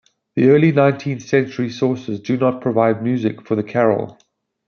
The early nineteenth-century sources do not provide music for the carol.